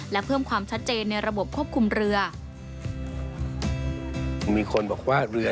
และเพิ่มความชัดเจนในระบบควบคุมเรือ